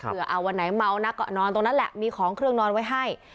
เพื่อเอาวันไหนเมานักก็นอนตรงนั้นแหละมีของเครื่องนอนไว้ให้